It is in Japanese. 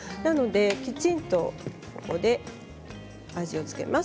きちんとここで味を付けます。